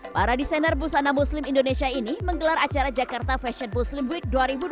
para desainer busana muslim indonesia ini menggelar acara jakarta fashion muslim week dua ribu dua puluh